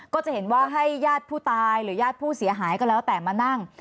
ก็จะเห็นว่าให้ญาติผู้ตายหรือญาติผู้เสียหายก็แล้วแต่มานั่ง